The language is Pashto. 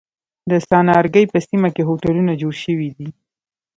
د څنارګی په سیمه کی هوټلونه جوړ شوی دی.